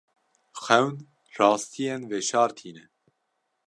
Xewn rastiyên veşartî ne.